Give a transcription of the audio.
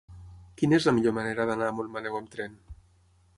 Quina és la millor manera d'anar a Montmaneu amb tren?